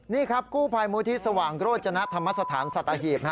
นี่ครับกู้ภัยมูลที่สว่างโรจนธรรมสถานสัตหีบ